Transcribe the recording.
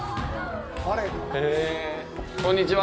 こんにちは。